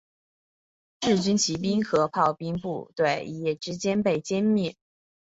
日军骑兵与炮兵部队一夜之间被全歼。